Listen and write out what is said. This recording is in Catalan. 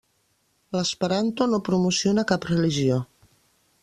L'esperanto no promociona cap religió.